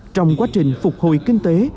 trong quá trình phục hồi kinh tế